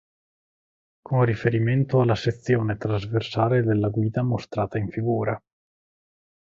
Con riferimento alla sezione trasversale della guida mostrata in Fig.